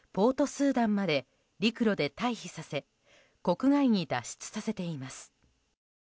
スーダンまで陸路で退避させ国外に脱出させています。